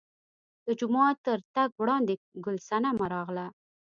د جومات تر تګ وړاندې ګل صنمه راغله.